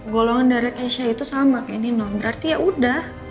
golongan dari kelit he's investigasi itu spoken in non berarti ya udah